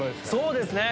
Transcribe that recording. そうですね。